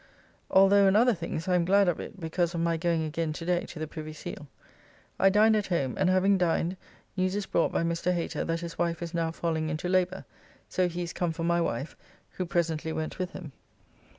Although in other things I am glad of it because of my going again to day to the Privy Seal. I dined at home, and having dined news is brought by Mr. Hater that his wife is now falling into labour, so he is come for my wife, who presently went with him.